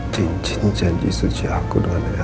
cincin janji suci aku dengan ya